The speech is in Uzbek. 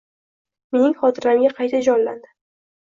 Mening xotiramga qayta jonlandi.